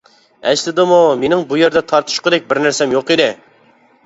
ئەسلىدىمۇ مېنىڭ بۇ يەردە تارتىشقۇدەك بىرنەرسەم يوق ئىدى.